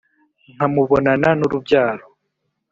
nkamubonana n'urubyaro